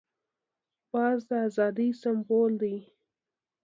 باز د آزادۍ سمبول دی